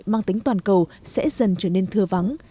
mang tính toàn cầu sẽ dần trở nên thưa vắng